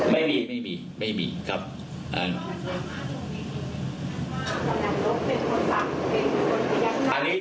ไม่มีไม่มี๓